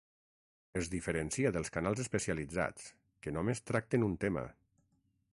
Es diferencia dels canals especialitzats, que només tracten un tema.